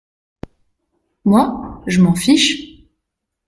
Moi ?… je m’en fiche !…